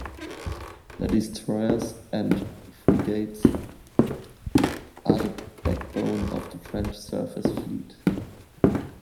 The destroyers and frigates are the backbone of the French surface fleet.